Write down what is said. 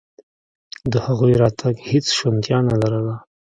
د هغوی راتګ هېڅ شونتیا نه لرله.